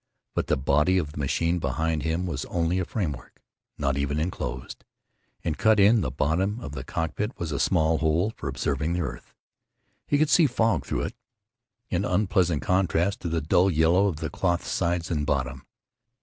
But the body of the machine behind him was only a framework, not even inclosed. And cut in the bottom of the cockpit was a small hole for observing the earth. He could see fog through it, in unpleasant contrast to the dull yellow of the cloth sides and bottom.